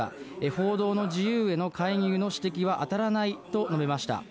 報道の自由への介入の指摘はあたらないと述べました。